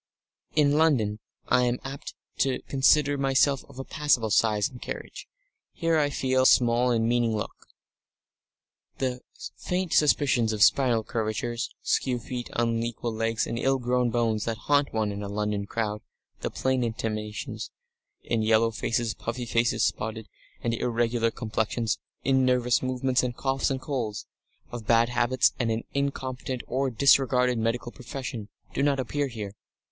In London I am apt to consider myself of a passable size and carriage; here I feel small and mean looking. The faint suspicions of spinal curvatures, skew feet, unequal legs, and ill grown bones, that haunt one in a London crowd, the plain intimations in yellow faces, puffy faces, spotted and irregular complexions, in nervous movements and coughs and colds of bad habits and an incompetent or disregarded medical profession, do not appear here.